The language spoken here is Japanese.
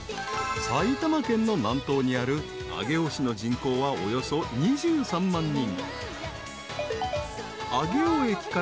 ［埼玉県の南東にある上尾市の人口はおよそ２３万人］